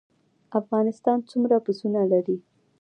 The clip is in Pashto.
افغانستان څومره پسونه لري؟